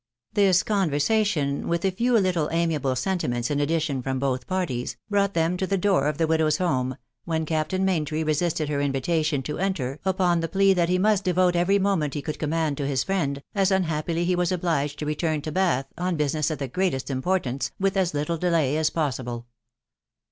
This conversation, with a few little amiable sentiments in addition from both parties, brought them to the door of the widow's home, when Captain Maintry resisted her invitation to enter upon the plea that he must devote every moment he could command to his friend, as unhappily he was obliged to return to Bath, on business of the greatest importance, with as little delay as possible.